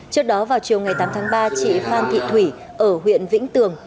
trước đó vào chiều ngày tám tháng ba chị phan thị thủy ở huyện vĩnh tường